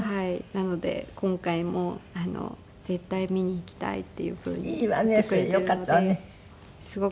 なので今回も「絶対見に行きたい」っていうふうに言ってくれているのですごく。